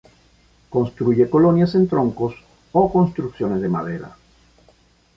Construye colonias en troncos o construcciones de madera.